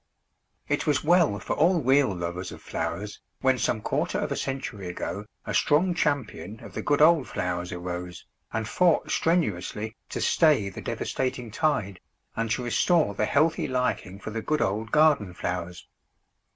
It was well for all real lovers of flowers when some quarter of a century ago a strong champion of the good old flowers arose, and fought strenuously to stay the devastating tide, and to restore the healthy liking for the good old garden flowers.